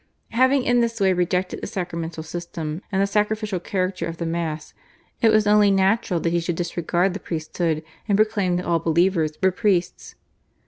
Having in this way rejected the sacramental system and the sacrificial character of the Mass, it was only natural that he should disregard the priesthood, and proclaim that all believers were priests.